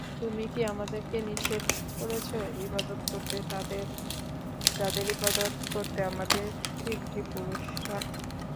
তুমি কি আমাদেরকে নিষেধ করছ ইবাদত করতে তাদের, যাদের ইবাদত করত আমাদের পিতৃ-পুরুষরা?